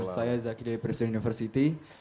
saya zaki dari presiden university